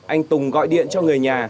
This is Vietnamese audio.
anh tùng gọi điện cho người nhà